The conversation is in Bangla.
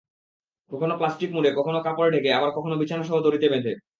কখনো প্লাস্টিকে মুড়ে, কখনো কাপড়ে ঢেকে, আবার কখনো বিছানাসহ দড়িতে বেঁধে।